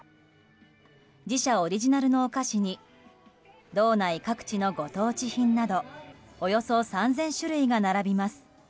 自社オリジナルのお菓子に道内各地のご当地品などおよそ３０００種類が並びます。